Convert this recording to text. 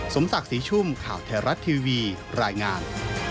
สมศักดิ์สีชุ่มข่าวเทราะต์ทีวีรายงาน